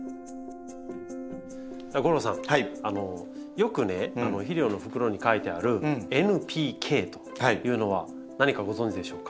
よくね肥料の袋に書いてあるというのは何かご存じでしょうか？